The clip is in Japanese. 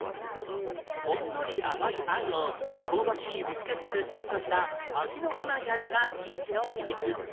ほんのり甘い餡を香ばしいビスケットでサンドした飽きのこない味が人気の秘密